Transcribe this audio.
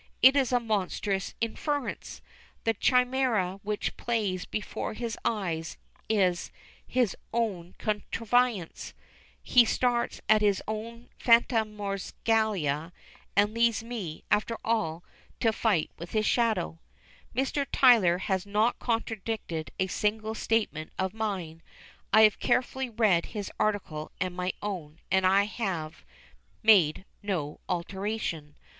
It is a monstrous inference! The chimera which plays before his eyes is his own contrivance; he starts at his own phantasmagoria, and leaves me, after all, to fight with his shadow. Mr. Tytler has not contradicted a single statement of mine. I have carefully read his article and my own, and I have made no alteration.